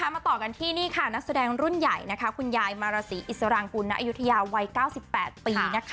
มาต่อกันที่นี่ค่ะนักแสดงรุ่นใหญ่คุณยายมาราศีอิสรางกุณอายุทยาวัย๙๘ปี